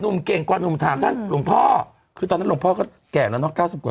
เก่งกว่าหนุ่มถามท่านหลวงพ่อคือตอนนั้นหลวงพ่อก็แก่แล้วเนาะ๙๐กว่า